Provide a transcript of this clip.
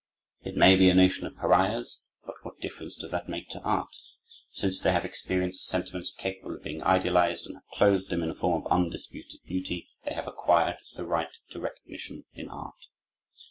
It may be a nation of Pariahs; but what difference does that make to art? Since they have experienced sentiments capable of being idealized, and have clothed them in a form of undisputed beauty, they have acquired the right to recognition in art.